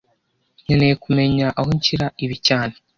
Nkeneye kumenya aho nshyira ibi cyane